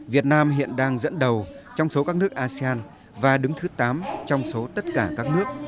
việt nam hiện đang dẫn đầu trong số các nước asean và đứng thứ tám trong số tất cả các nước